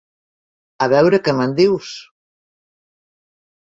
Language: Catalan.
A veure què me'n dius?